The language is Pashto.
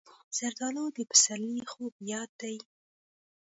زردالو د پسرلي خوږ یاد دی.